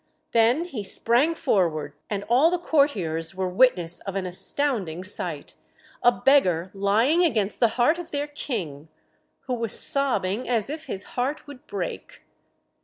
Then he sprang forward, and all the courtiers were witness of an astounding sight: a beggar lying against the heart of their King, who was sobbing as if his heart would break!